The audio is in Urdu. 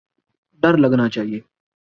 ڈر لگنا چاہیے۔